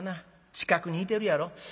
近くにいてるやろ。